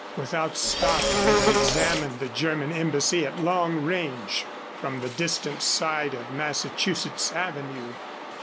Without stopping they examined the German embassy at long range from the distant side of Massachusetts Avenue.